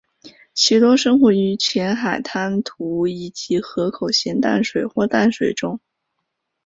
其多生活于浅海滩涂以及河口咸淡水或淡水中。